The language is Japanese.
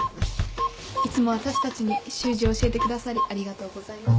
いつも私たちに習字を教えてくださりありがとうございます。